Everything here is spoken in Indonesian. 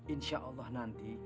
insya allah nanti